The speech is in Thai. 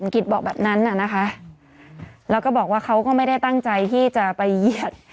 กิจบอกแบบนั้นน่ะนะคะแล้วก็บอกว่าเขาก็ไม่ได้ตั้งใจที่จะไปเหยียด